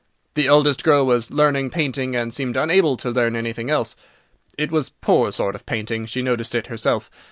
The eldest girl was learning painting—and seemed unable to learn anything else. It was poor sort of painting; she noticed it herself.